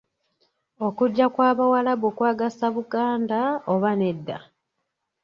Okujja kw'Abawarabu kwagasa Buganda oba nedda?